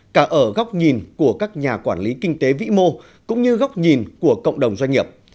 cả ở góc nhìn của các nhà quản lý kinh tế vĩ mô cũng như góc nhìn của cộng đồng doanh nghiệp